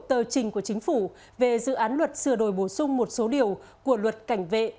tờ trình của chính phủ về dự án luật sửa đổi bổ sung một số điều của luật cảnh vệ